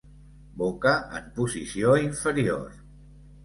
Boca en posició inferior.